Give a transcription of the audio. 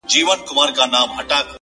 زه چي په هره چهارشنبه يو ځوان لحد ته-